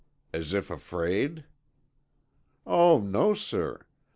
"As if afraid?" "Oh, no, sir.